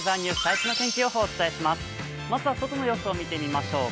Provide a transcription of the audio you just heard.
まずは外の様子を見てみましょう。